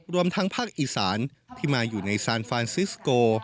รวมทั้งภาคอีสานที่มาอยู่ในซานฟานซิสโก